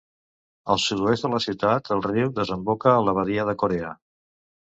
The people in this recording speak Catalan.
Al sud-oest de la ciutat el riu desemboca a la Badia de Corea.